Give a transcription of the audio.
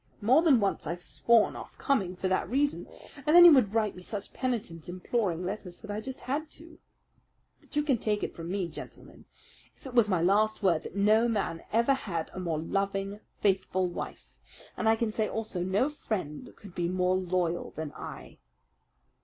More than once I've sworn off coming for that reason, and then he would write me such penitent, imploring letters that I just had to. But you can take it from me, gentlemen, if it was my last word, that no man ever had a more loving, faithful wife and I can say also no friend could be more loyal than I!"